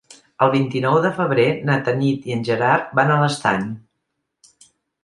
El vint-i-nou de febrer na Tanit i en Gerard van a l'Estany.